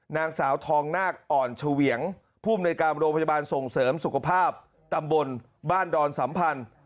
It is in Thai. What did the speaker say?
นางสาวทองนาคอ่อนเฉวียงภูมิในการโรงพยาบาลส่งเสริมสุขภาพตำบลบ้านดอนสัมพันธ์